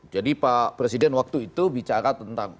jadi pak presiden waktu itu bicara tentang